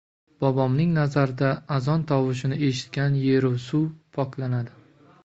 — Bobomning nazarida, azon tovushini eshitgan yeru suv poklanadi